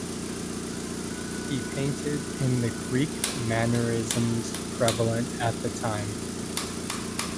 He painted in the Greek mannerisms prevalent at the time.